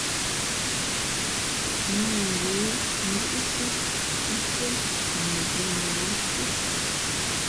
Mēngoó ndʉ́ʼsí nshʉ́ά mʉnzhwīē mα ǎ cwí.